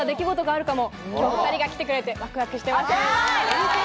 今日、２人が来てくれて、ワクワクしてます。